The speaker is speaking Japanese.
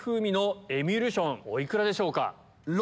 お幾らでしょうか？